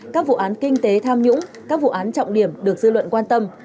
các vụ án kinh tế tham nhũng các vụ án trọng điểm được dư luận quan tâm